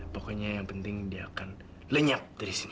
pokoknya yang penting dia akan lenyap dari sini